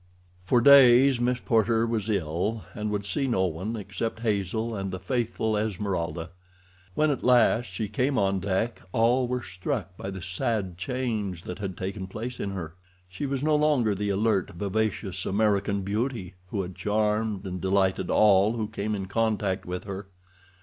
For days Miss Porter was ill, and would see no one except Hazel and the faithful Esmeralda. When at last she came on deck all were struck by the sad change that had taken place in her. She was no longer the alert, vivacious American beauty who had charmed and delighted all who came in contact with her.